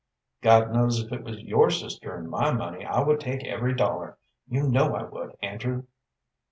"God knows if it was your sister and my money, I would take every dollar. You know I would, Andrew."